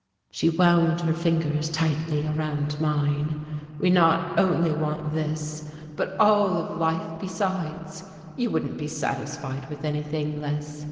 She wound her fingers tightly around mine. "We not only want this, but all of life besides you wouldn't be satisfied with anything less.